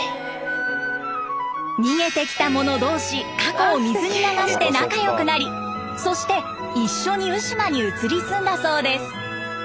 逃げてきたもの同士過去を水に流して仲良くなりそして一緒に鵜島に移り住んだそうです。